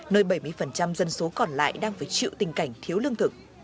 nơi bảy mươi dân số còn lại đang phải chịu tình cảnh thiếu lương thực